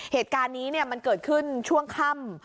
เหตุการณ์นี้มันเกิดขึ้นช่วงค่ำ